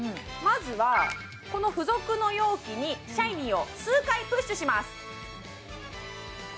まずはこの付属の容器にシャイニーを数回プッシュします